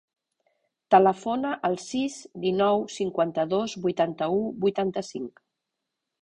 Telefona al sis, dinou, cinquanta-dos, vuitanta-u, vuitanta-cinc.